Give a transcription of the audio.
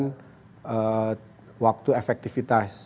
keterbatasan waktu efektivitas